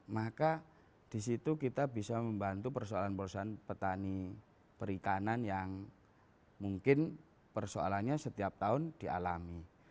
maka di situ kita bisa membantu persoalan persoalan petani perikanan yang mungkin persoalannya setiap tahun dialami